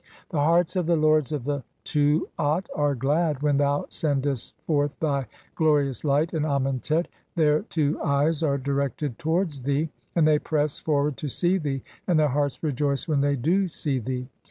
(19) 'The hearts of the lords of the Tuat (underworld) are glad 'when thou (20) sendest forth thy glorious light in Amentet ; 'their two eyes are directed towards thee, (21) and thev press 'forward to see thee, and their hearts rejoice when thev do see 'thee.